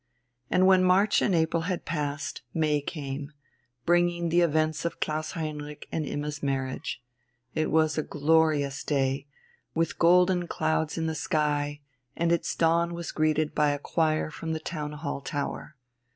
And when March and April had passed, May came, bringing the great event of Klaus Heinrich's and Imma's marriage. It was a glorious day, with golden clouds in the sky, and its dawn was greeted by a choir from the town hall tower.